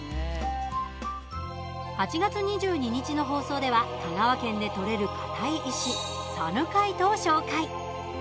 ８月２２日の放送では香川県で採れる硬い石サヌカイトを紹介。